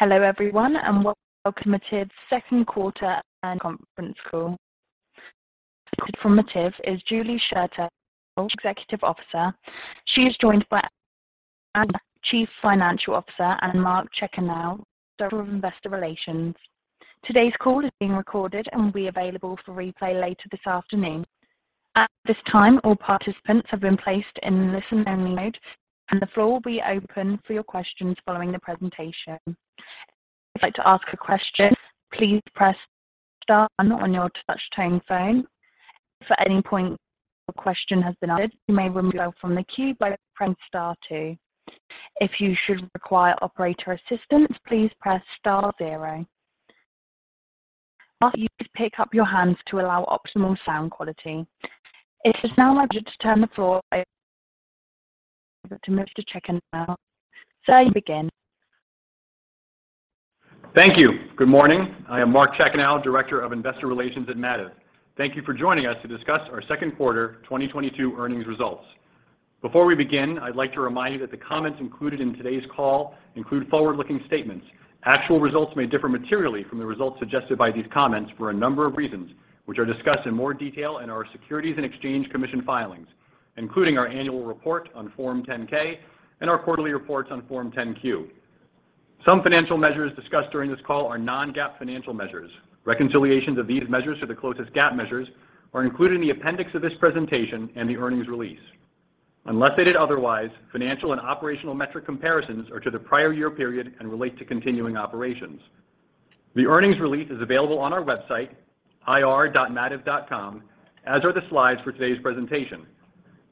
Hello everyone, and welcome to Mativ's second quarter earnings conference call. Speaking for Mativ is Julie Schertell, Chief Executive Officer. She is joined by Andrew Wamser, Chief Financial Officer, and Mark Chekanow, Director of Investor Relations. Today's call is being recorded and will be available for replay later this afternoon. At this time, all participants have been placed in listen-only mode, and the floor will be open for your questions following the presentation. If you'd like to ask a question, please press star one on your touch-tone phone. If at any point your question has been answered, you may remove yourself from the queue by pressing star two. If you should require operator assistance, please press star zero. After you pick up your handset to allow optimal sound quality. It is now my pleasure to turn the floor over to Mr. Chekanow. Sir, you may begin. Thank you. Good morning. I am Mark Chekanow, Director of Investor Relations at Mativ. Thank you for joining us to discuss our second quarter 2022 earnings results. Before we begin, I'd like to remind you that the comments included in today's call include forward-looking statements. Actual results may differ materially from the results suggested by these comments for a number of reasons, which are discussed in more detail in our Securities and Exchange Commission filings, including our annual report on Form 10-K and our quarterly reports on Form 10-Q. Some financial measures discussed during this call are non-GAAP financial measures. Reconciliations of these measures to the closest GAAP measures are included in the appendix of this presentation and the earnings release. Unless stated otherwise, financial and operational metric comparisons are to the prior year period and relate to continuing operations. The earnings release is available on our website, ir.mativ.com, as are the slides for today's presentation.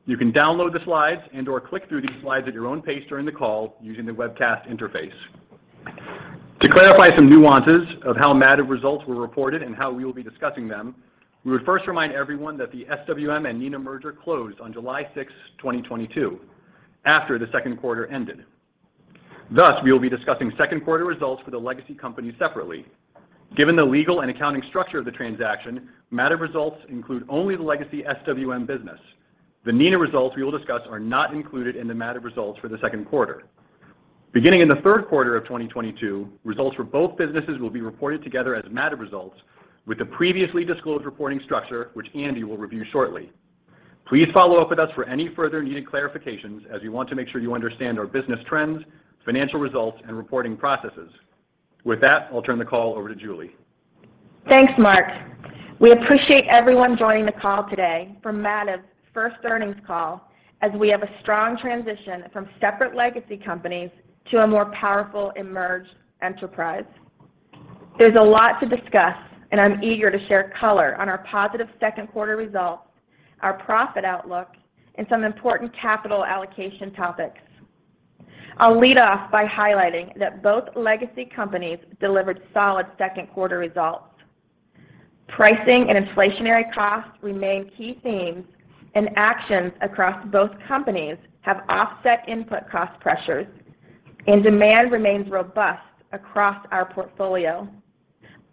You can download the slides and/or click through these slides at your own pace during the call using the webcast interface. To clarify some nuances of how Mativ results were reported and how we will be discussing them, we would first remind everyone that the SWM and Neenah merger closed on July 6, 2022, after the second quarter ended. Thus, we will be discussing second quarter results for the legacy companies separately. Given the legal and accounting structure of the transaction, Mativ results include only the legacy SWM business. The Neenah results we will discuss are not included in the Mativ results for the second quarter. Beginning in the third quarter of 2022, results for both businesses will be reported together as Mativ results with the previously disclosed reporting structure, which Andy will review shortly. Please follow up with us for any further needed clarifications as we want to make sure you understand our business trends, financial results, and reporting processes. With that, I'll turn the call over to Julie. Thanks, Mark. We appreciate everyone joining the call today for Mativ's first earnings call as we have a strong transition from separate legacy companies to a more powerful emerged enterprise. There's a lot to discuss, and I'm eager to share color on our positive second quarter results, our profit outlook, and some important capital allocation topics. I'll lead off by highlighting that both legacy companies delivered solid second quarter results. Pricing and inflationary costs remain key themes, and actions across both companies have offset input cost pressures, and demand remains robust across our portfolio.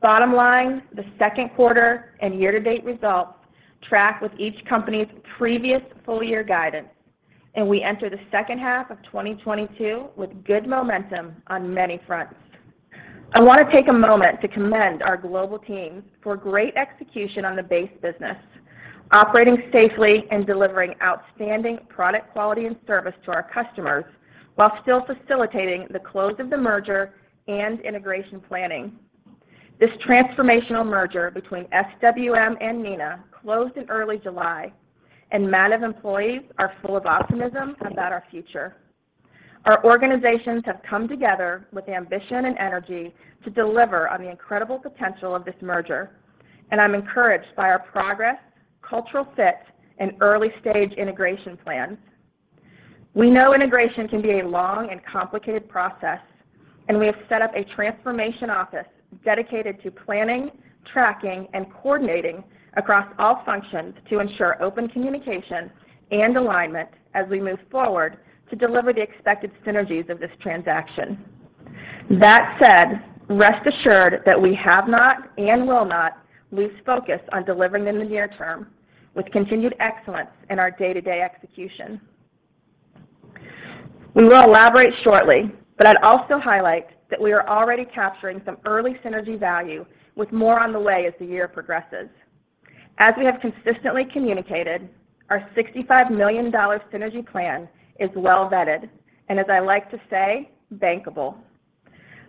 Bottom line, the second quarter and year-to-date results track with each company's previous full year guidance, and we enter the second half of 2022 with good momentum on many fronts. I want to take a moment to commend our global teams for great execution on the base business, operating safely and delivering outstanding product quality and service to our customers while still facilitating the close of the merger and integration planning. This transformational merger between SWM and Neenah closed in early July, and Mativ employees are full of optimism about our future. Our organizations have come together with ambition and energy to deliver on the incredible potential of this merger, and I'm encouraged by our progress, cultural fit, and early-stage integration plans. We know integration can be a long and complicated process, and we have set up a transformation office dedicated to planning, tracking, and coordinating across all functions to ensure open communication and alignment as we move forward to deliver the expected synergies of this transaction. That said, rest assured that we have not and will not lose focus on delivering in the near term with continued excellence in our day-to-day execution. We will elaborate shortly, but I'd also highlight that we are already capturing some early synergy value with more on the way as the year progresses. As we have consistently communicated, our $65 million synergy plan is well-vetted, and as I like to say, bankable.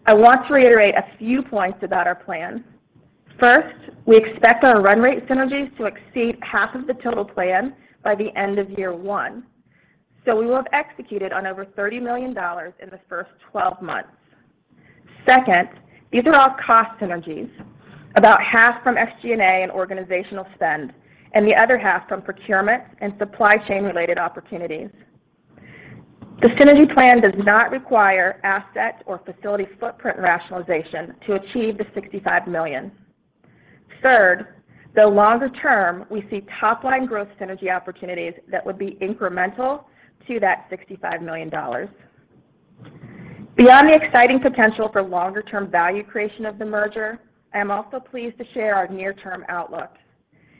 I want to reiterate a few points about our plan. First, we expect our run rate synergies to exceed half of the total plan by the end of year one. We will have executed on over $30 million in the first 12 months. Second, these are all cost synergies, about half from SG&A and organizational spend, and the other half from procurement and supply chain-related opportunities. The synergy plan does not require asset or facility footprint rationalization to achieve the $65 million. Third, though longer term, we see top-line growth synergy opportunities that would be incremental to that $65 million. Beyond the exciting potential for longer-term value creation of the merger, I am also pleased to share our near-term outlook.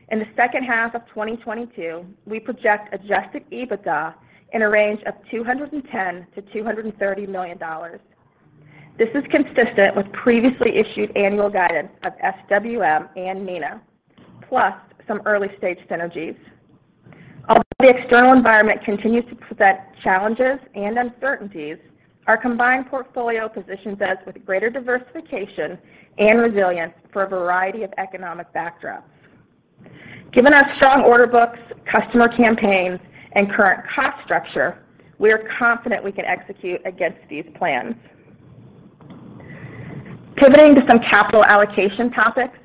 In the second half of 2022, we project adjusted EBITDA in a range of $210 million-$230 million. This is consistent with previously issued annual guidance of SWM and Neenah, plus some early-stage synergies. Although the external environment continues to present challenges and uncertainties, our combined portfolio positions us with greater diversification and resilience for a variety of economic backdrops. Given our strong order books, customer campaigns, and current cost structure, we are confident we can execute against these plans. Pivoting to some capital allocation topics,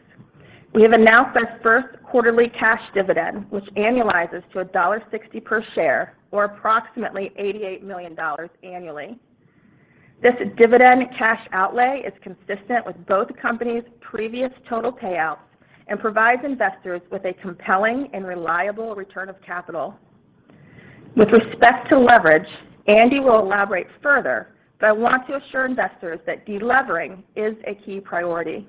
we have announced our first quarterly cash dividend, which annualizes to $1.60 per share, or approximately $88 million annually. This dividend cash outlay is consistent with both companies' previous total payouts and provides investors with a compelling and reliable return of capital. With respect to leverage, Andy will elaborate further, but I want to assure investors that de-levering is a key priority.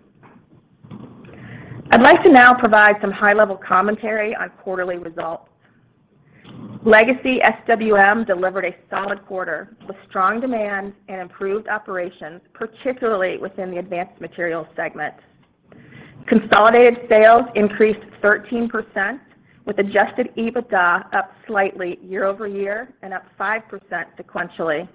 I'd like to now provide some high-level commentary on quarterly results. Legacy SWM delivered a solid quarter with strong demand and improved operations, particularly within the Advanced Materials & Structures segment. Consolidated sales increased 13%, with adjusted EBITDA up slightly year-over-year and up 5% sequentially.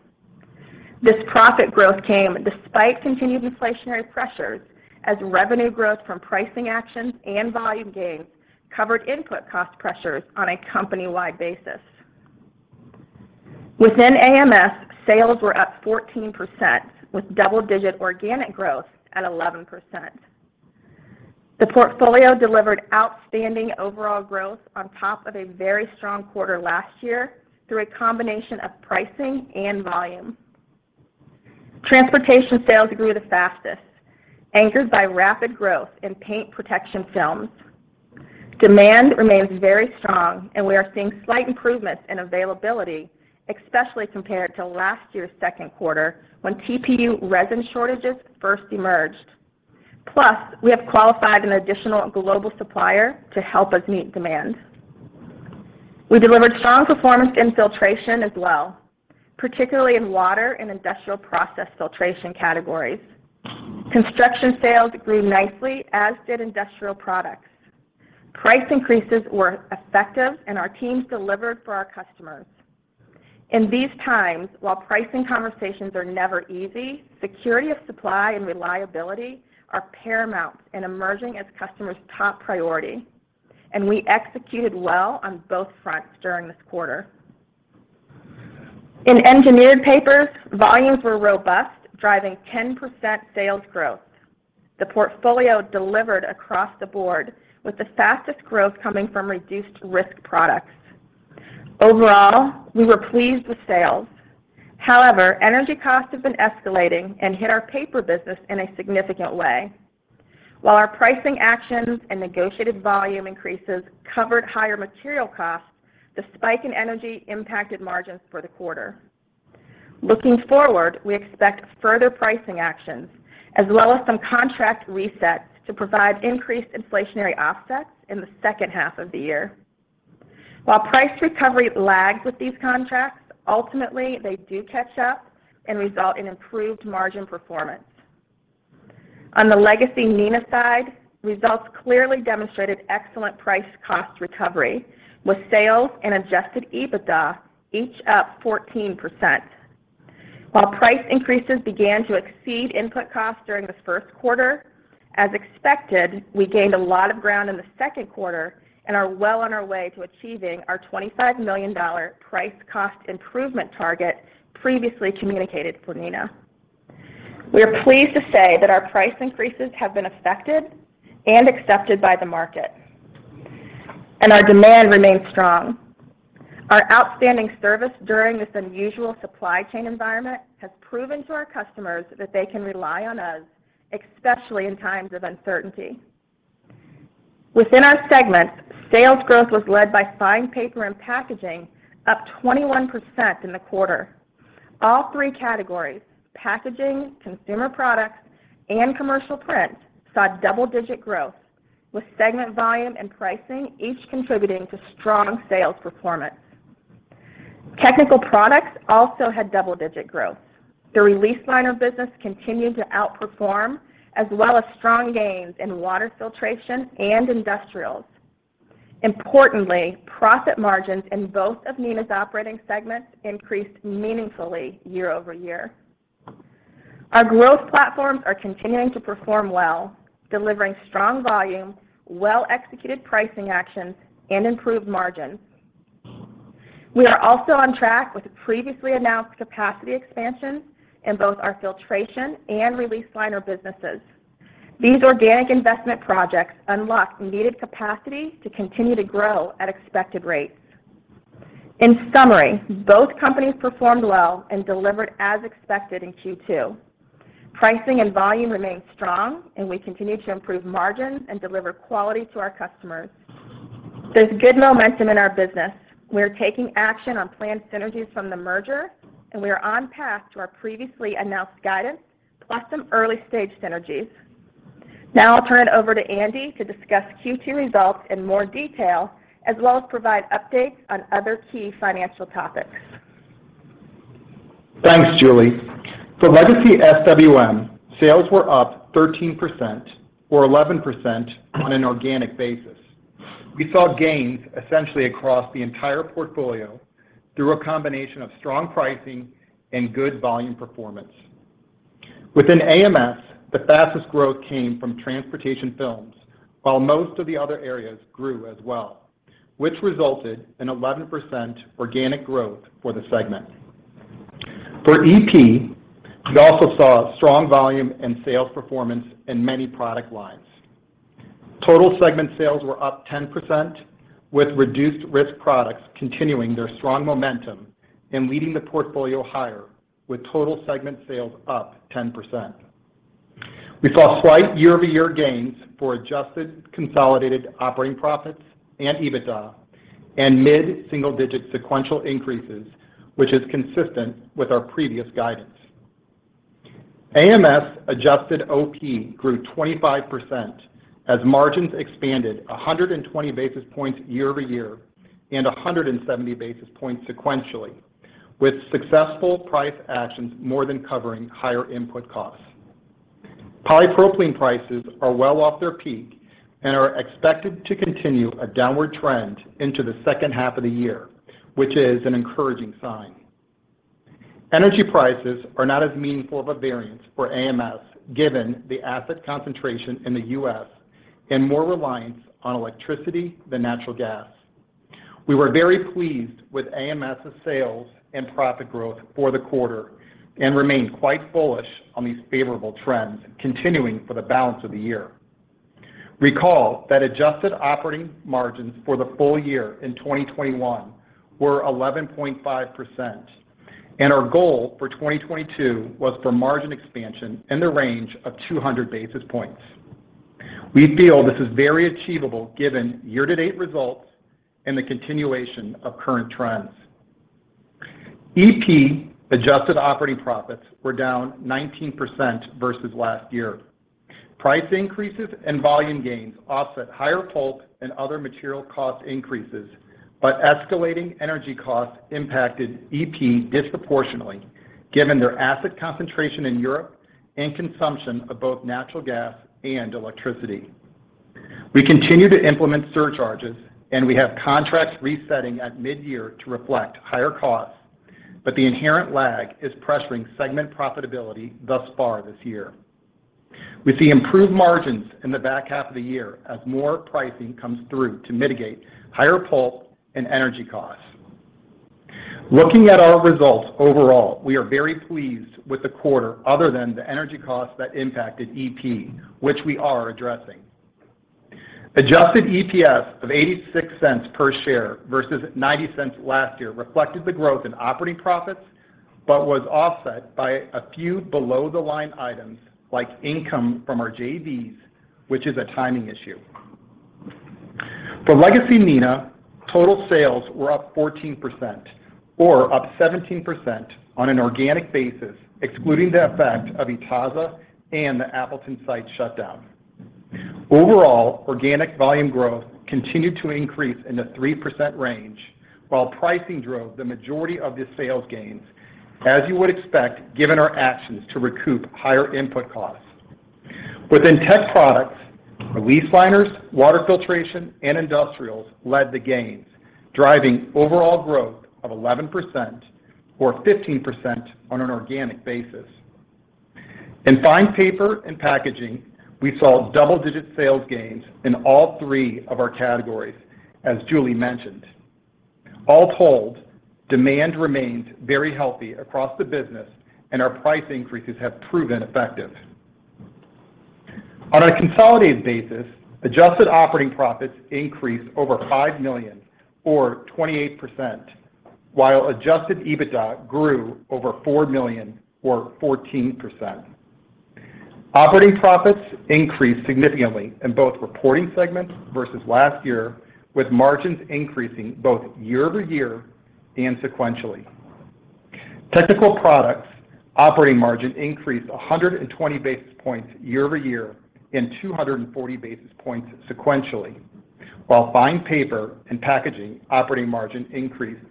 This profit growth came despite continued inflationary pressures as revenue growth from pricing actions and volume gains covered input cost pressures on a company-wide basis. Within AMS, sales were up 14% with double-digit organic growth at 11%. The portfolio delivered outstanding overall growth on top of a very strong quarter last year through a combination of pricing and volume. Transportation sales grew the fastest, anchored by rapid growth in paint protection films. Demand remains very strong, and we are seeing slight improvements in availability, especially compared to last year's second quarter when TPU resin shortages first emerged. Plus, we have qualified an additional global supplier to help us meet demand. We delivered strong performance in filtration as well, particularly in water and industrial process filtration categories. Construction sales grew nicely, as did industrial products. Price increases were effective, and our teams delivered for our customers. In these times, while pricing conversations are never easy, security of supply and reliability are paramount in emerging as customers' top priority, and we executed well on both fronts during this quarter. In Engineered Papers, volumes were robust, driving 10% sales growth. The portfolio delivered across the board, with the fastest growth coming from reduced risk products. Overall, we were pleased with sales. However, energy costs have been escalating and hit our paper business in a significant way. While our pricing actions and negotiated volume increases covered higher material costs, the spike in energy impacted margins for the quarter. Looking forward, we expect further pricing actions as well as some contract resets to provide increased inflationary offsets in the second half of the year. While price recovery lags with these contracts, ultimately they do catch up and result in improved margin performance. On the legacy Neenah side, results clearly demonstrated excellent price cost recovery, with sales and adjusted EBITDA each up 14%. While price increases began to exceed input costs during the first quarter, as expected, we gained a lot of ground in the second quarter and are well on our way to achieving our $25 million price cost improvement target previously communicated for Neenah. We are pleased to say that our price increases have been effective and accepted by the market, and our demand remains strong. Our outstanding service during this unusual supply chain environment has proven to our customers that they can rely on us, especially in times of uncertainty. Within our segments, sales growth was led by Fine Paper and Packaging, up 21% in the quarter. All three categories, packaging, consumer products, and commercial print, saw double-digit growth, with segment volume and pricing each contributing to strong sales performance. Technical Products also had double-digit growth. The release liner business continued to outperform, as well as strong gains in water filtration and industrials. Importantly, profit margins in both of Neenah's operating segments increased meaningfully year-over-year. Our growth platforms are continuing to perform well, delivering strong volume, well-executed pricing actions, and improved margins. We are also on track with previously announced capacity expansions in both our filtration and release liner businesses. These organic investment projects unlock needed capacity to continue to grow at expected rates. In summary, both companies performed well and delivered as expected in Q2. Pricing and volume remain strong, and we continue to improve margins and deliver quality to our customers. There's good momentum in our business. We are taking action on planned synergies from the merger, and we are on path to our previously announced guidance plus some early-stage synergies. Now I'll turn it over to Andy to discuss Q2 results in more detail as well as provide updates on other key financial topics. Thanks, Julie. For legacy SWM, sales were up 13% or 11% on an organic basis. We saw gains essentially across the entire portfolio through a combination of strong pricing and good volume performance. Within AMS, the fastest growth came from transportation films while most of the other areas grew as well, which resulted in 11% organic growth for the segment. For EP, we also saw strong volume and sales performance in many product lines. Total segment sales were up 10% with reduced-risk products continuing their strong momentum and leading the portfolio higher with total segment sales up 10%. We saw slight year-over-year gains for adjusted consolidated operating profits and EBITDA and mid-single-digit sequential increases, which is consistent with our previous guidance. AMS adjusted OP grew 25% as margins expanded 120 basis points year-over-year and 170 basis points sequentially with successful price actions more than covering higher input costs. Polypropylene prices are well off their peak and are expected to continue a downward trend into the second half of the year, which is an encouraging sign. Energy prices are not as meaningful of a variance for AMS given the asset concentration in the U.S. and more reliance on electricity than natural gas. We were very pleased with AMS's sales and profit growth for the quarter and remain quite bullish on these favorable trends continuing for the balance of the year. Recall that adjusted operating margins for the full year in 2021 were 11.5%, and our goal for 2022 was for margin expansion in the range of 200 basis points. We feel this is very achievable given year-to-date results and the continuation of current trends. EP adjusted operating profits were down 19% versus last year. Price increases and volume gains offset higher pulp and other material cost increases, but escalating energy costs impacted EP disproportionately given their asset concentration in Europe and consumption of both natural gas and electricity. We continue to implement surcharges, and we have contracts resetting at mid-year to reflect higher costs, but the inherent lag is pressuring segment profitability thus far this year. We see improved margins in the back half of the year as more pricing comes through to mitigate higher pulp and energy costs. Looking at our results overall, we are very pleased with the quarter other than the energy costs that impacted EP, which we are addressing. Adjusted EPS of $0.86 per share versus $0.90 last year reflected the growth in operating profits but was offset by a few below-the-line items like income from our JVs, which is a timing issue. For legacy Neenah, total sales were up 14% or up 17% on an organic basis, excluding the effect of Itasa and the Appleton site shutdown. Overall, organic volume growth continued to increase in the 3% range while pricing drove the majority of the sales gains, as you would expect, given our actions to recoup higher input costs. Within Technical Products, release liners, water filtration, and industrials led the gains, driving overall growth of 11% or 15% on an organic basis. In Fine Paper and Packaging, we saw double-digit sales gains in all three of our categories, as Julie mentioned. All told, demand remained very healthy across the business, and our price increases have proven effective. On a consolidated basis, adjusted operating profits increased over $5 million or 28%, while adjusted EBITDA grew over $4 million or 14%. Operating profits increased significantly in both reporting segments versus last year, with margins increasing both year-over-year and sequentially. Technical Products operating margin increased 120 basis points year-over-year and 240 basis points sequentially, while Fine Paper and Packaging operating margin increased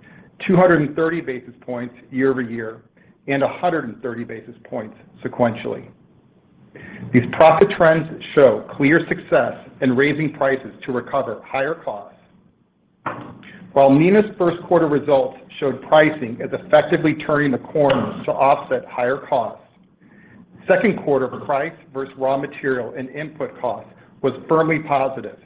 230 basis points year-over-year and 130 basis points sequentially. These profit trends show clear success in raising prices to recover higher costs. While Neenah's first quarter results showed pricing as effectively turning the corner to offset higher costs, second quarter price versus raw material and input costs was firmly positive,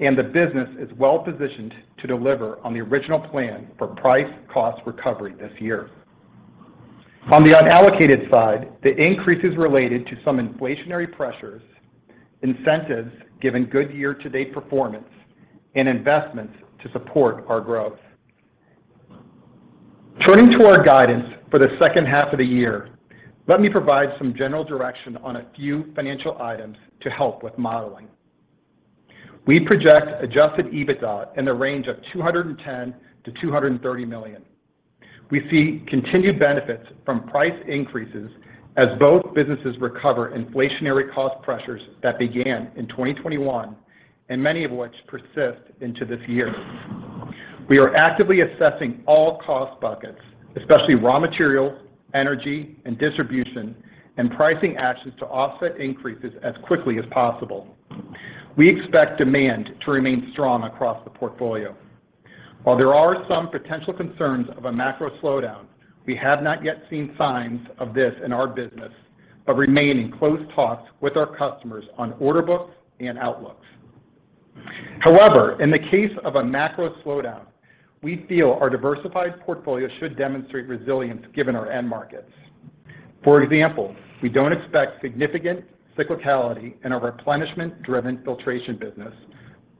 and the business is well-positioned to deliver on the original plan for price cost recovery this year. On the unallocated side, the increase is related to some inflationary pressures, incentives given good year-to-date performance, and investments to support our growth. Turning to our guidance for the second half of the year, let me provide some general direction on a few financial items to help with modeling. We project adjusted EBITDA in the range of $210 million-$230 million. We see continued benefits from price increases as both businesses recover inflationary cost pressures that began in 2021, and many of which persist into this year. We are actively assessing all cost buckets, especially raw materials, energy, and distribution, and pricing actions to offset increases as quickly as possible. We expect demand to remain strong across the portfolio. While there are some potential concerns of a macro slowdown, we have not yet seen signs of this in our business, but remain in close talks with our customers on order books and outlooks. However, in the case of a macro slowdown, we feel our diversified portfolio should demonstrate resilience given our end markets. For example, we don't expect significant cyclicality in our replenishment-driven filtration business,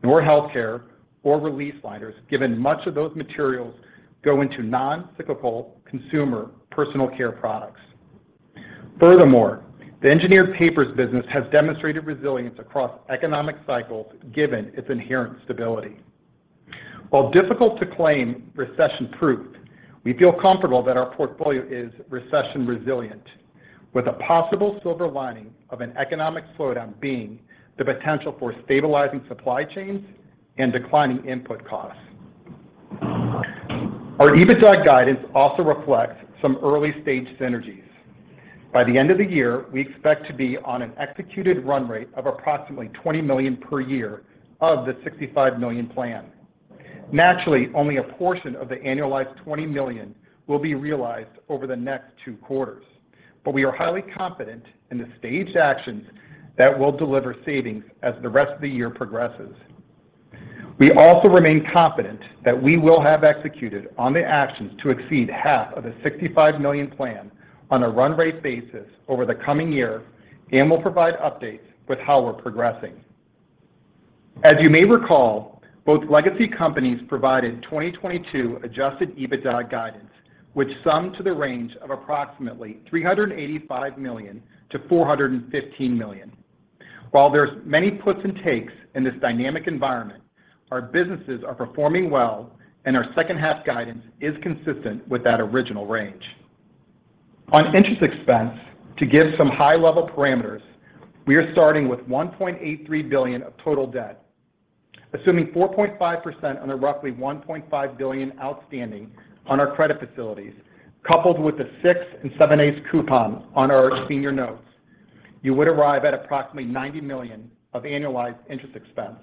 nor healthcare or release liners, given much of those materials go into non-cyclical consumer personal care products. Furthermore, the engineered papers business has demonstrated resilience across economic cycles given its inherent stability. While difficult to claim recession-proof, we feel comfortable that our portfolio is recession resilient, with a possible silver lining of an economic slowdown being the potential for stabilizing supply chains and declining input costs. Our EBITDA guidance also reflects some early-stage synergies. By the end of the year, we expect to be on an executed run rate of approximately $20 million per year of the $65 million plan. Naturally, only a portion of the annualized $20 million will be realized over the next two quarters, but we are highly confident in the staged actions that will deliver savings as the rest of the year progresses. We also remain confident that we will have executed on the actions to exceed half of the $65 million plan on a run rate basis over the coming year and will provide updates with how we're progressing. As you may recall, both legacy companies provided 2022 Adjusted EBITDA guidance, which summed to the range of approximately $385 million-$415 million. While there's many puts and takes in this dynamic environment, our businesses are performing well, and our second half guidance is consistent with that original range. On interest expense, to give some high level parameters, we are starting with $1.83 billion of total debt. Assuming 4.5% on the roughly $1.5 billion outstanding on our credit facilities, coupled with the six and 7/8 coupon on our senior notes, you would arrive at approximately $90 million of annualized interest expense.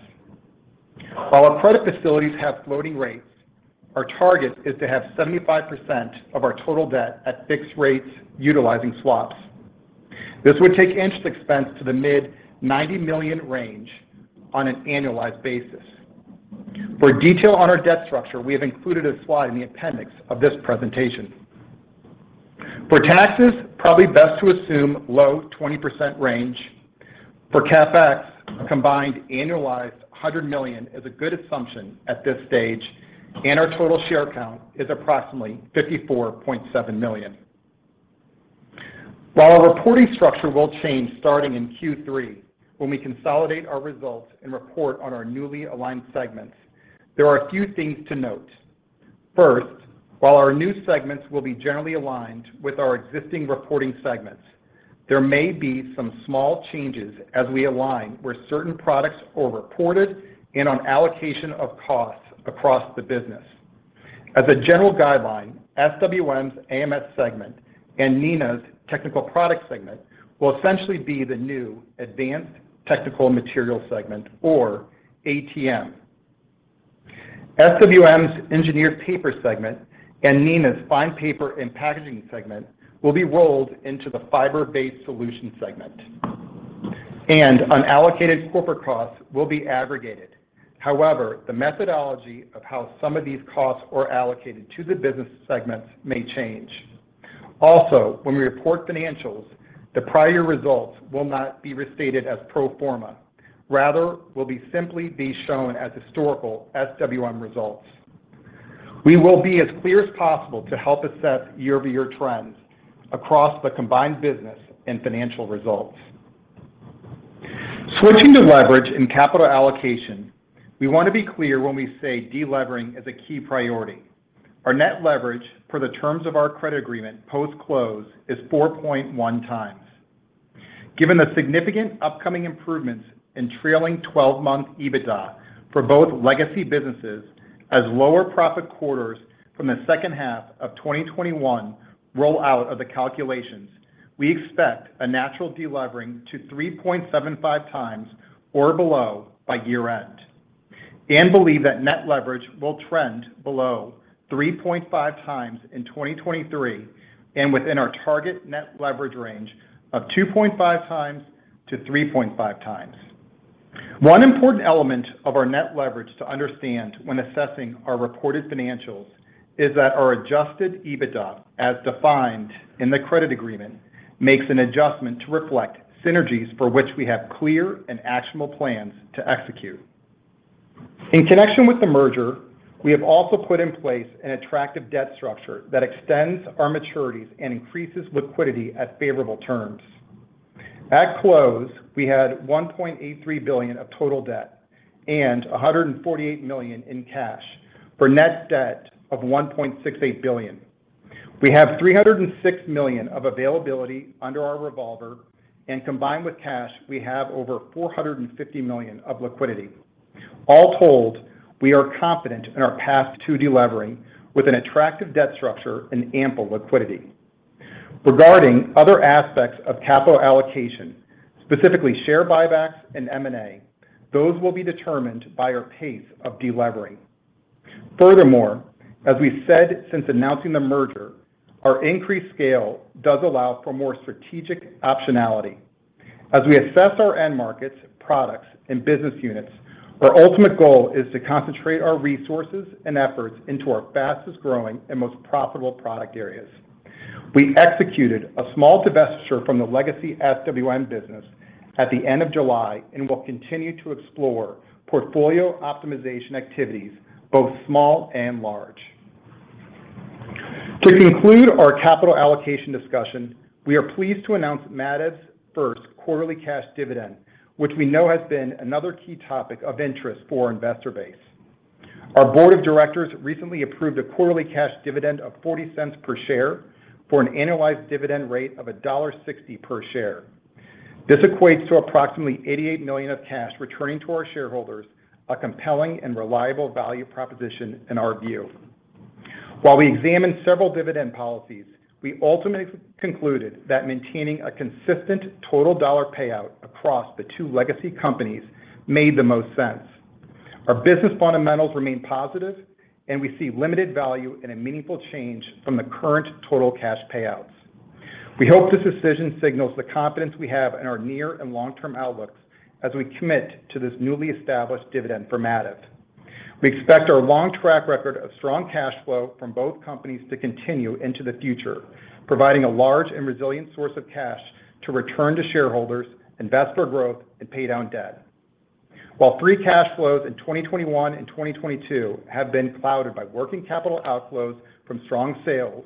While our credit facilities have floating rates, our target is to have 75% of our total debt at fixed rates utilizing swaps. This would take interest expense to the mid-$90 million range on an annualized basis. For detail on our debt structure, we have included a slide in the appendix of this presentation. For taxes, probably best to assume low 20% range. For CapEx, a combined annualized $100 million is a good assumption at this stage, and our total share count is approximately 54.7 million. While our reporting structure will change starting in Q3 when we consolidate our results and report on our newly aligned segments, there are a few things to note. First, while our new segments will be generally aligned with our existing reporting segments, there may be some small changes as we align where certain products were reported and on allocation of costs across the business. As a general guideline, SWM's AMS segment and Neenah's Technical Products segment will essentially be the new Advanced Technical Materials segment, or ATM. SWM's Engineered Papers segment and Neenah's Fine Paper and Packaging segment will be rolled into the Fiber-Based Solutions segment. Unallocated corporate costs will be aggregated. However, the methodology of how some of these costs were allocated to the business segments may change. Also, when we report financials, the prior results will not be restated as pro forma, rather will be simply shown as historical SWM results. We will be as clear as possible to help assess year-over-year trends across the combined business and financial results. Switching to leverage and capital allocation, we want to be clear when we say delevering is a key priority. Our net leverage for the terms of our credit agreement post-close is 4.1x. Given the significant upcoming improvements in trailing twelve-month EBITDA for both legacy businesses as lower profit quarters from the second half of 2021 roll out of the calculations, we expect a natural de-levering to 3.75x or below by year-end, and believe that net leverage will trend below 3.5x in 2023 and within our target net leverage range of 2.5x-3.5x. One important element of our net leverage to understand when assessing our reported financials is that our adjusted EBITDA, as defined in the credit agreement, makes an adjustment to reflect synergies for which we have clear and actionable plans to execute. In connection with the merger, we have also put in place an attractive debt structure that extends our maturities and increases liquidity at favorable terms. At close, we had $1.83 billion of total debt and $148 million in cash for net debt of $1.68 billion. We have $306 million of availability under our revolver, and combined with cash, we have over $450 million of liquidity. All told, we are confident in our path to delevering with an attractive debt structure and ample liquidity. Regarding other aspects of capital allocation, specifically share buybacks and M&A, those will be determined by our pace of delevering. Furthermore, as we've said since announcing the merger, our increased scale does allow for more strategic optionality. As we assess our end markets, products, and business units, our ultimate goal is to concentrate our resources and efforts into our fastest-growing and most profitable product areas. We executed a small divestiture from the legacy SWM business at the end of July and will continue to explore portfolio optimization activities, both small and large. To conclude our capital allocation discussion, we are pleased to announce Mativ's first quarterly cash dividend, which we know has been another key topic of interest for our investor base. Our Board of Directors recently approved a quarterly cash dividend of $0.40 per share for an annualized dividend rate of $1.60 per share. This equates to approximately $88 million of cash returning to our shareholders, a compelling and reliable value proposition in our view. While we examined several dividend policies, we ultimately concluded that maintaining a consistent total dollar payout across the two legacy companies made the most sense. Our business fundamentals remain positive, and we see limited value in a meaningful change from the current total cash payouts. We hope this decision signals the confidence we have in our near and long-term outlooks as we commit to this newly established dividend for Mativ. We expect our long track record of strong cash flow from both companies to continue into the future, providing a large and resilient source of cash to return to shareholders, invest for growth, and pay down debt. While free cash flows in 2021 and 2022 have been clouded by working capital outflows from strong sales,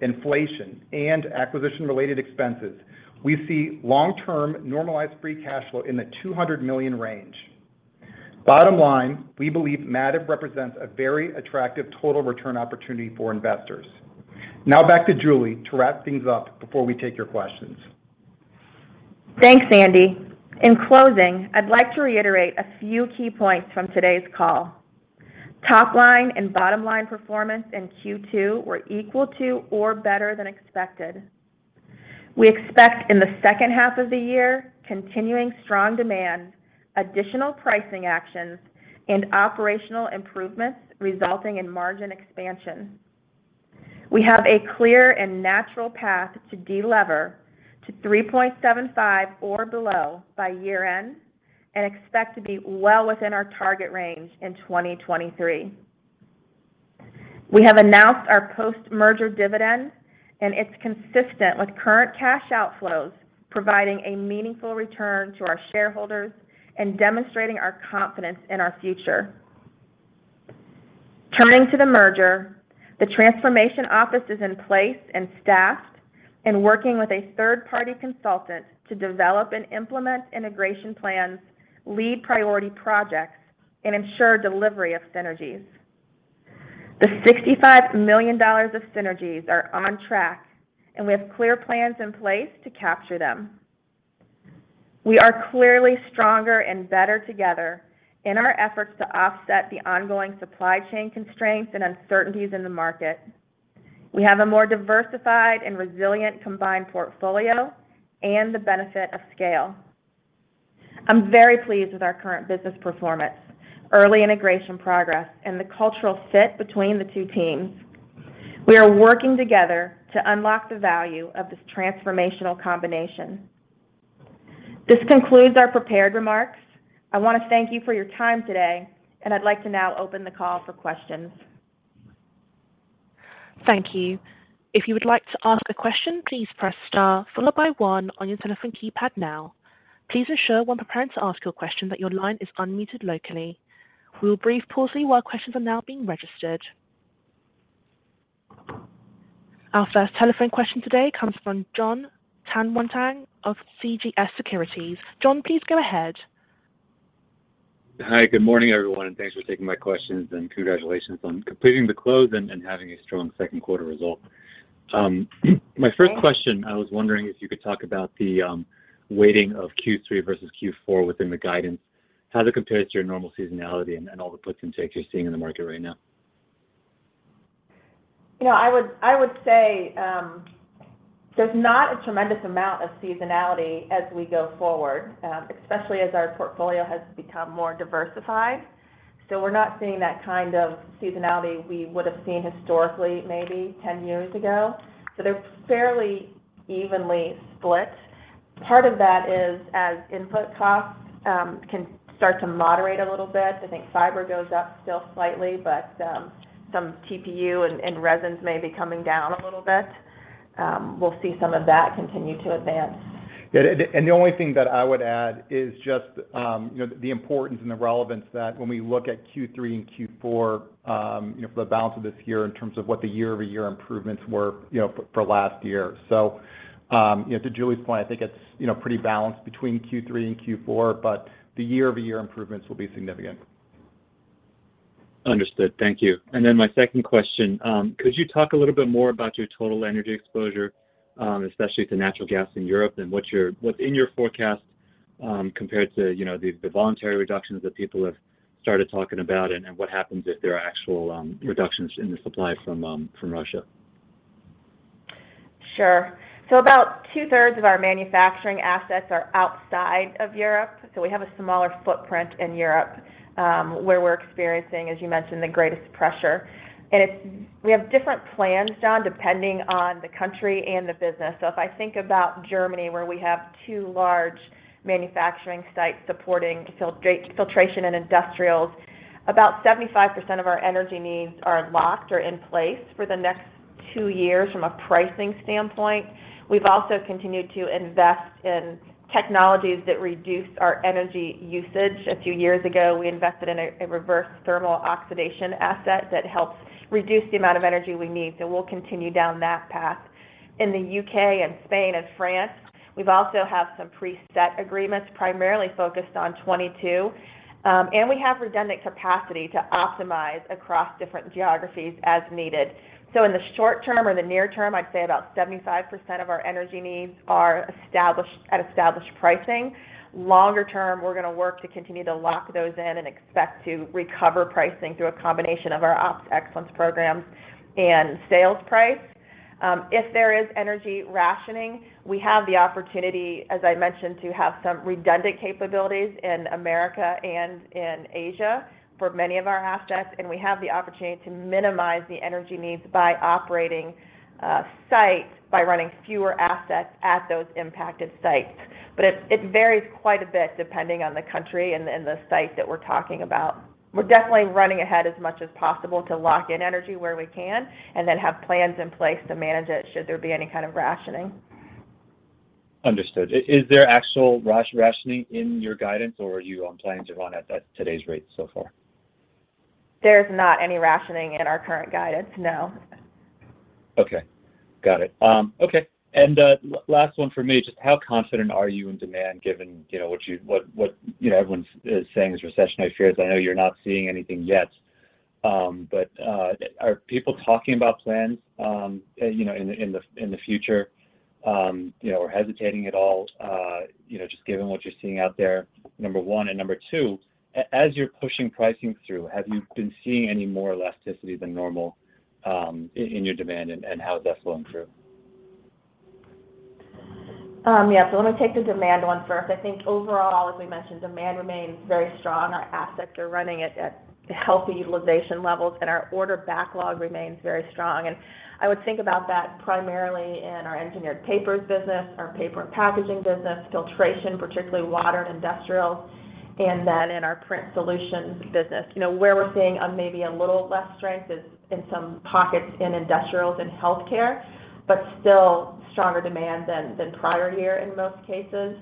inflation, and acquisition-related expenses, we see long-term normalized free cash flow in the $200 million range. Bottom line, we believe Mativ represents a very attractive total return opportunity for investors. Now back to Julie to wrap things up before we take your questions. Thanks, Andy. In closing, I'd like to reiterate a few key points from today's call. Top line and bottom line performance in Q2 were equal to or better than expected. We expect in the second half of the year, continuing strong demand, additional pricing actions, and operational improvements resulting in margin expansion. We have a clear and natural path to delever to 3.75 or below by year-end and expect to be well within our target range in 2023. We have announced our post-merger dividend, and it's consistent with current cash outflows, providing a meaningful return to our shareholders and demonstrating our confidence in our future. Turning to the merger, the transformation office is in place and staffed and working with a third-party consultant to develop and implement integration plans, lead priority projects, and ensure delivery of synergies. The $65 million of synergies are on track, and we have clear plans in place to capture them. We are clearly stronger and better together in our efforts to offset the ongoing supply chain constraints and uncertainties in the market. We have a more diversified and resilient combined portfolio and the benefit of scale. I'm very pleased with our current business performance, early integration progress, and the cultural fit between the two teams. We are working together to unlock the value of this transformational combination. This concludes our prepared remarks. I want to thank you for your time today, and I'd like to now open the call for questions. Thank you. If you would like to ask a question, please press star followed by one on your telephone keypad now. Please ensure when preparing to ask your question that your line is unmuted locally. We will brief closely while questions are now being registered. Our first telephone question today comes from John Tanwanteng of CJS Securities. John, please go ahead. Hi, good morning, everyone, and thanks for taking my questions and congratulations on completing the close and having a strong second quarter result. My first question, I was wondering if you could talk about the weighting of Q3 versus Q4 within the guidance, how to compare it to your normal seasonality and all the puts and takes you're seeing in the market right now. You know, I would say there's not a tremendous amount of seasonality as we go forward, especially as our portfolio has become more diversified. We're not seeing that kind of seasonality we would have seen historically maybe 10 years ago. They're fairly evenly split. Part of that is as input costs can start to moderate a little bit. I think fiber goes up still slightly, but some TPU and resins may be coming down a little bit. We'll see some of that continue to advance. The only thing that I would add is just, you know, the importance and the relevance that when we look at Q3 and Q4, you know, for the balance of this year in terms of what the year-over-year improvements were, you know, for last year. To Julie's point, I think it's, you know, pretty balanced between Q3 and Q4, but the year-over-year improvements will be significant. Understood. Thank you. My second question, could you talk a little bit more about your total energy exposure, especially to natural gas in Europe and what's in your forecast, compared to, you know, the voluntary reductions that people have started talking about and what happens if there are actual reductions in the supply from Russia? Sure. About two-thirds of our manufacturing assets are outside of Europe. We have a smaller footprint in Europe, where we're experiencing, as you mentioned, the greatest pressure. We have different plans, John, depending on the country and the business. If I think about Germany, where we have two large manufacturing sites supporting filtration and industrials, about 75% of our energy needs are locked or in place for the next 2 years from a pricing standpoint. We've also continued to invest in technologies that reduce our energy usage. A few years ago, we invested in a regenerative thermal oxidizer asset that helps reduce the amount of energy we need. We'll continue down that path. In the U.K. and Spain and France, we also have some preset agreements, primarily focused on 2022. We have redundant capacity to optimize across different geographies as needed. In the short term or the near term, I'd say about 75% of our energy needs are established at established pricing. Longer term, we're gonna work to continue to lock those in and expect to recover pricing through a combination of our ops excellence programs and sales price. If there is energy rationing, we have the opportunity, as I mentioned, to have some redundant capabilities in America and in Asia for many of our assets, and we have the opportunity to minimize the energy needs by operating sites by running fewer assets at those impacted sites. It varies quite a bit depending on the country and the site that we're talking about. We're definitely running ahead as much as possible to lock in energy where we can and then have plans in place to manage it should there be any kind of rationing. Understood. Is there actual cash rationing in your guidance, or are you planning to run at today's rates so far? There's not any rationing in our current guidance, no. Okay. Got it. Okay. Last one from me. Just how confident are you in demand given, you know, what you know, what everyone is saying is recessionary fears? I know you're not seeing anything yet. Are people talking about plans, you know, in the future, you know, or hesitating at all, you know, just given what you're seeing out there, number one? Number two, as you're pushing pricing through, have you been seeing any more elasticity than normal, in your demand, and how has that flown through? Yeah. Let me take the demand one first. I think overall, as we mentioned, demand remains very strong. Our assets are running at healthy utilization levels, and our order backlog remains very strong. I would think about that primarily in our Engineered Papers business, our paper and packaging business, filtration, particularly water and industrial, and then in our print solutions business. You know, where we're seeing maybe a little less strength is in some pockets in industrials and healthcare, but still stronger demand than prior year in most cases.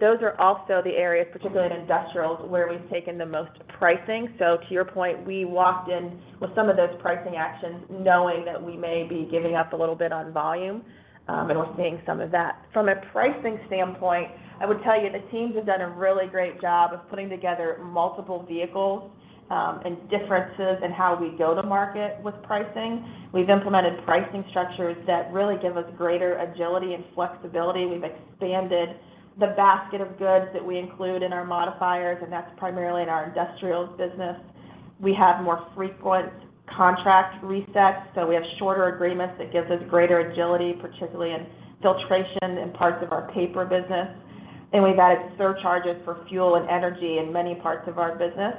Those are also the areas, particularly in industrials, where we've taken the most pricing. To your point, we walked in with some of those pricing actions knowing that we may be giving up a little bit on volume, and we're seeing some of that. From a pricing standpoint, I would tell you the teams have done a really great job of putting together multiple vehicles, and differences in how we go to market with pricing. We've implemented pricing structures that really give us greater agility and flexibility. We've expanded the basket of goods that we include in our modifiers, and that's primarily in our industrials business. We have more frequent contract resets, so we have shorter agreements that gives us greater agility, particularly in filtration and parts of our paper business. We've added surcharges for fuel and energy in many parts of our business.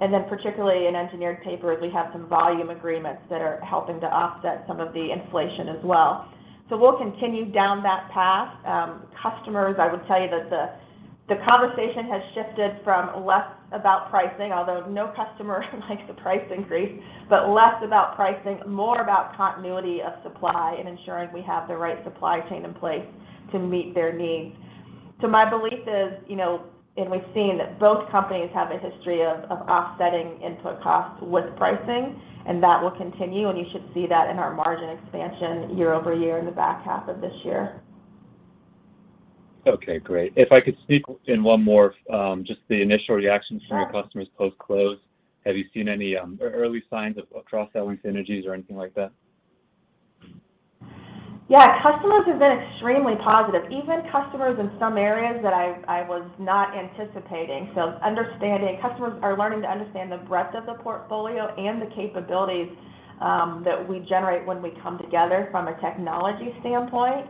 Particularly in Engineered Papers, we have some volume agreements that are helping to offset some of the inflation as well. We'll continue down that path. Customers, I would tell you that the conversation has shifted from less about pricing, although no customer likes a price increase, but less about pricing, more about continuity of supply and ensuring we have the right supply chain in place to meet their needs. My belief is, you know, and we've seen that both companies have a history of offsetting input costs with pricing, and that will continue, and you should see that in our margin expansion year-over-year in the back half of this year. Okay, great. If I could sneak in one more, just the initial reactions? Sure from your customers post-close. Have you seen any early signs of cross-selling synergies or anything like that? Yeah, customers have been extremely positive, even customers in some areas that I was not anticipating. Customers are learning to understand the breadth of the portfolio and the capabilities that we generate when we come together from a technology standpoint.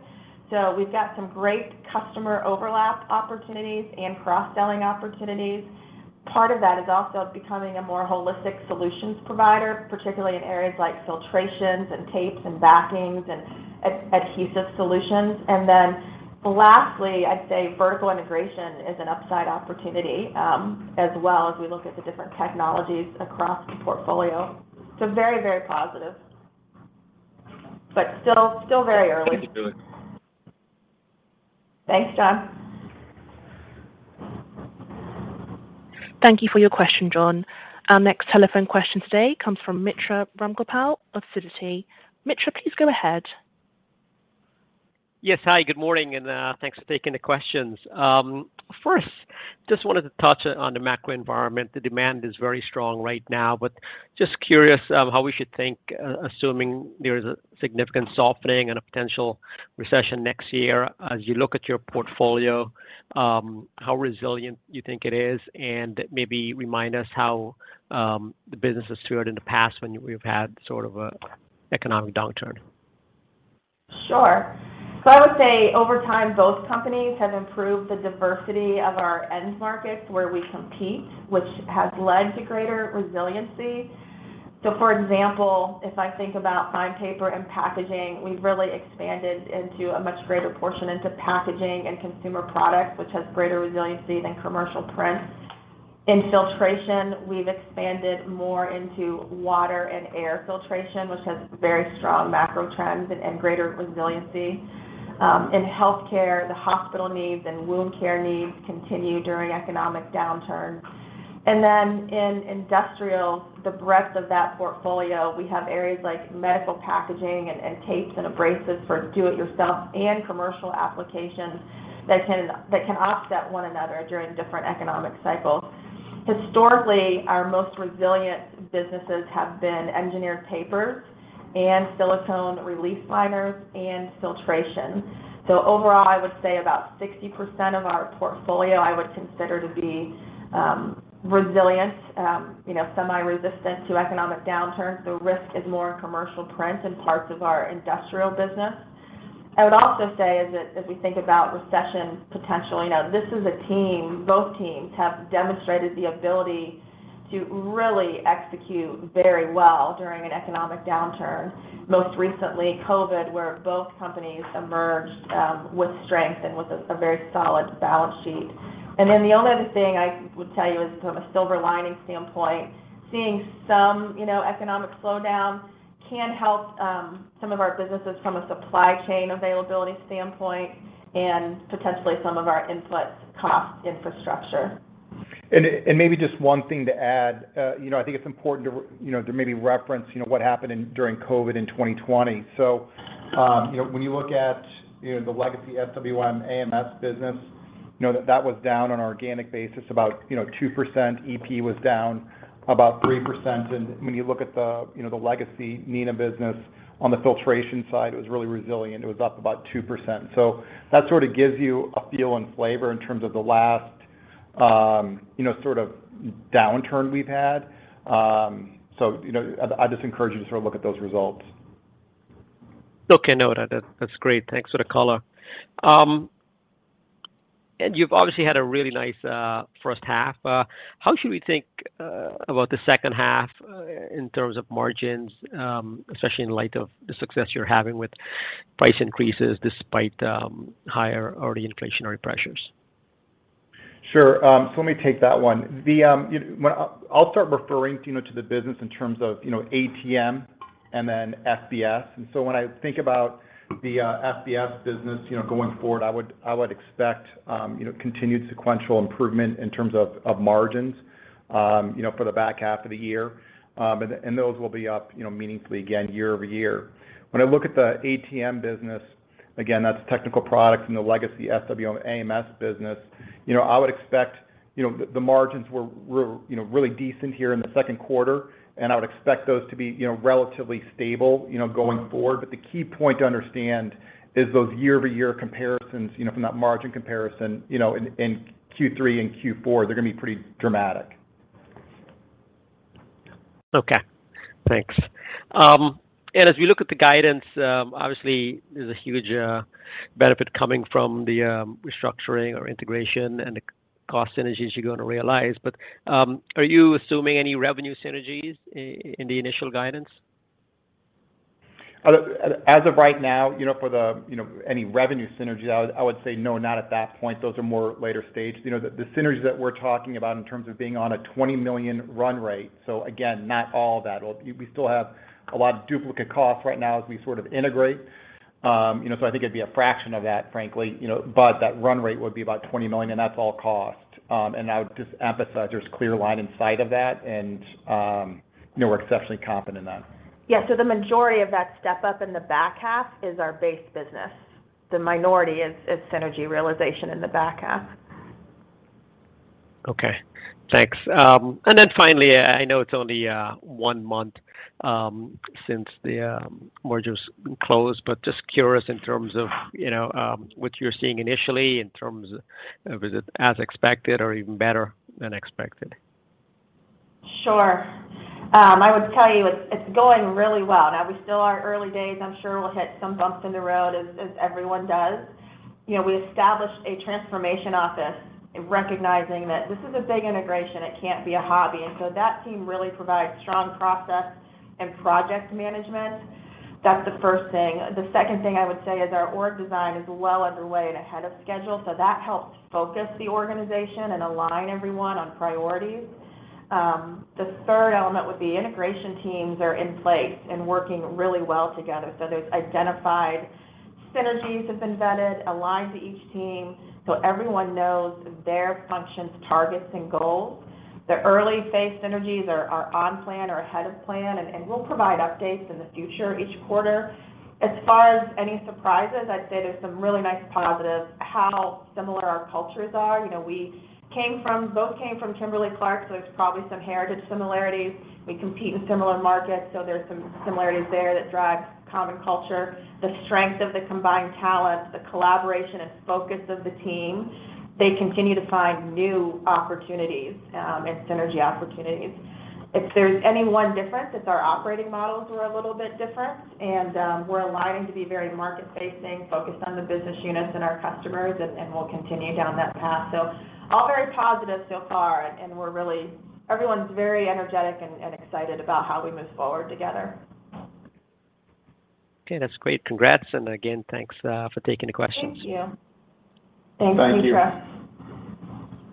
We've got some great customer overlap opportunities and cross-selling opportunities. Part of that is also becoming a more holistic solutions provider, particularly in areas like filtration and tapes and backings and adhesive solutions. Lastly, I'd say vertical integration is an upside opportunity as well as we look at the different technologies across the portfolio. Very, very positive, but still very early. Thank you. Thanks, John. Thank you for your question, John. Our next telephone question today comes from Mitra Ramgopal of Citi. Mitra, please go ahead. Yes. Hi, good morning, and, thanks for taking the questions. First, just wanted to touch on the macro environment. The demand is very strong right now, but just curious of how we should think, assuming there is a significant softening and a potential recession next year. As you look at your portfolio, how resilient you think it is, and maybe remind us how the business has weathered in the past when we've had sort of an economic downturn. Sure. I would say over time, both companies have improved the diversity of our end markets where we compete, which has led to greater resiliency. For example, if I think about Fine Paper and Packaging, we've really expanded into a much greater portion into packaging and consumer products, which has greater resiliency than commercial print. In filtration, we've expanded more into water and air filtration, which has very strong macro trends and greater resiliency. In healthcare, the hospital needs and wound care needs continue during economic downturn. In industrial, the breadth of that portfolio, we have areas like medical packaging and tapes and abrasives for do it yourself and commercial applications that can offset one another during different economic cycles. Historically, our most resilient businesses have been Engineered Papers and silicone release liners and filtration. Overall, I would say about 60% of our portfolio I would consider to be resilient, you know, semi-resistant to economic downturn. The risk is more in commercial print in parts of our industrial business. I would also say is that as we think about recession potentially, you know, this is a team. Both teams have demonstrated the ability to really execute very well during an economic downturn. Most recently, COVID, where both companies emerged with strength and with a very solid balance sheet. Then the only other thing I would tell you is from a silver lining standpoint, seeing some, you know, economic slowdown can help some of our businesses from a supply chain availability standpoint and potentially some of our input cost infrastructure. Maybe just one thing to add, you know, I think it's important to, you know, to maybe reference, you know, what happened in, during COVID in 2020. You know, when you look at, you know, the legacy SWM AMS business, you know, that was down on organic basis about, you know, 2%. EP was down about 3%. When you look at the, you know, the legacy Neenah business on the filtration side, it was really resilient. It was up about 2%. That sort of gives you a feel and flavor in terms of the last, you know, sort of downturn we've had. You know, I just encourage you to sort of look at those results. Okay. Noted. That's great. Thanks for the color. You've obviously had a really nice first half. How should we think about the second half in terms of margins, especially in light of the success you're having with price increases despite higher already inflationary pressures? Let me take that one. I'll start referring, you know, to the business in terms of, you know, ATM and then FBS. When I think about the FBS business, you know, going forward, I would expect continued sequential improvement in terms of margins, you know, for the back half of the year. Those will be up, you know, meaningfully again year-over-year. When I look at the ATM business, again, that's Technical Products from the legacy SWM AMS business, you know, I would expect the margins were really decent here in the second quarter, and I would expect those to be, you know, relatively stable, you know, going forward. The key point to understand is those year-over-year comparisons, you know, from that margin comparison, you know, in Q3 and Q4, they're gonna be pretty dramatic. Okay. Thanks. As we look at the guidance, obviously, there's a huge benefit coming from the restructuring or integration and the cost synergies you're gonna realize. Are you assuming any revenue synergies in the initial guidance? As of right now, you know, for the, you know, any revenue synergies, I would say no, not at that point. Those are more later stage. You know, the synergies that we're talking about in terms of being on a $20 million run rate. Again, not all that. We still have a lot of duplicate costs right now as we sort of integrate. You know, so I think it'd be a fraction of that, frankly, you know. That run rate would be about $20 million, and that's all cost. I would just emphasize there's clear line of sight of that, and, you know, we're exceptionally confident in that. Yeah. The majority of that step up in the back half is our base business. The minority is synergy realization in the back half. Okay. Thanks. Finally, I know it's only one month since the mergers closed, but just curious in terms of, you know, what you're seeing initially in terms of is it as expected or even better than expected? Sure. I would tell you it's going really well. Now, we're still in early days. I'm sure we'll hit some bumps in the road as everyone does. You know, we established a transformation office in recognizing that this is a big integration. It can't be a hobby. That team really provides strong process and project management. That's the first thing. The second thing I would say is our org design is well underway and ahead of schedule, so that helps focus the organization and align everyone on priorities. The third element would be integration teams are in place and working really well together. Those identified synergies have been vetted, aligned to each team, so everyone knows their functions, targets, and goals. The early phase synergies are on plan or ahead of plan, and we'll provide updates in the future each quarter. As far as any surprises, I'd say there's some really nice positives how similar our cultures are. You know, we both came from Kimberly-Clark, so there's probably some heritage similarities. We compete in similar markets, so there's some similarities there that drive common culture. The strength of the combined talent, the collaboration and focus of the team, they continue to find new opportunities and synergy opportunities. If there's any one difference, it's our operating models were a little bit different, and we're aligning to be very market facing, focused on the business units and our customers, and we'll continue down that path. All very positive so far, and we're really everyone's very energetic and excited about how we move forward together. Okay. That's great. Congrats. Again, thanks for taking the questions. Thank you. Thanks, Mitra.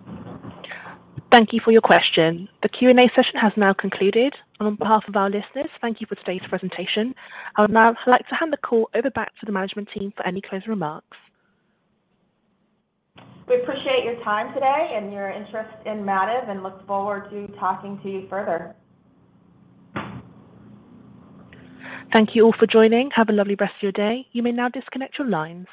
Thank you. Thank you for your question. The Q&A session has now concluded. On behalf of our listeners, thank you for today's presentation. I would now like to hand the call over back to the management team for any closing remarks. We appreciate your time today and your interest in Mativ and look forward to talking to you further. Thank you all for joining. Have a lovely rest of your day. You may now disconnect your lines.